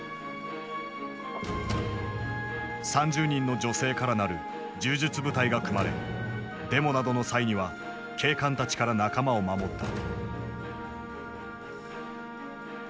３０人の女性から成る柔術部隊が組まれデモなどの際には警官たちから仲間を守った。